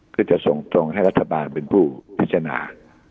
เพื่อจะส่งตรงให้รัฐบาลเป็นผู้พิจารณา